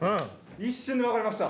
一瞬で分かりました。